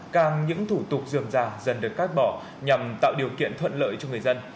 càng những thủ tục dườm dà dần được cắt bỏ nhằm tạo điều kiện thuận lợi cho người dân